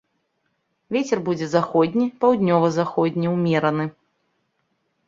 Вецер будзе заходні, паўднёва-заходні ўмераны.